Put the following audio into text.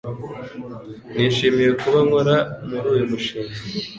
Nishimiye kuba nkora muri uyu mushinga.